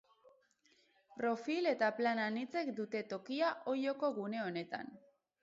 Profil eta plan anitzek dute tokia Olloko gune honetan.